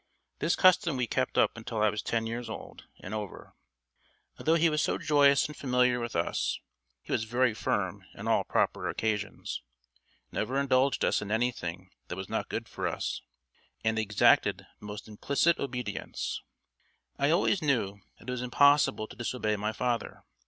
This custom we kept up until I was ten years old and over. Although he was so joyous and familiar with us, he was very firm on all proper occasions, never indulged us in anything that was not good for us, and exacted the most implicit obedience. I always knew that it was impossible to disobey my father.